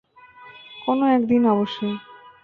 কোন একদিন, অবশ্যই।